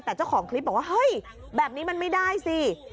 แต่เจ้าของคลิปบอกว่าเฮ้ยแบบนี้มันไม่ได้สิ